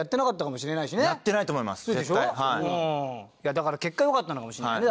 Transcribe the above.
だから結果よかったのかもしれないね。